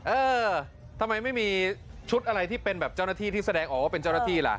เออทำไมไม่มีชุดอะไรที่เป็นแบบเจ้าหน้าที่ที่แสดงออกว่าเป็นเจ้าหน้าที่ล่ะ